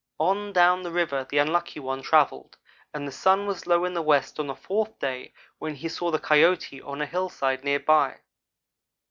"On down the river the Unlucky one travelled and the sun was low in the west on the fourth day, when he saw the Coyote on a hillside near by.